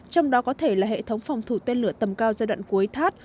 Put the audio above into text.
trong đó có thể là hệ thống phòng thủ tên lửa tầm cao giai đoạn cuối thắt